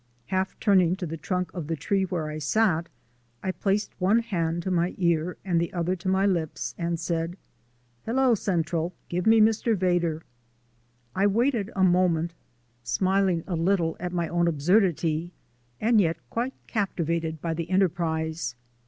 Half turning to the trunk of the tree where I sat, I placed one hand to my ear and the other to my lips and said: "Hello, Central, give me Mr. Vedder." I waited a moment, smiling a little at my own absurdity and yet quite captivated by the enterprise.